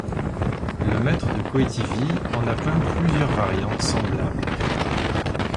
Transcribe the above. Le Maître de Coëtivy en a peint plusieurs variantes semblables.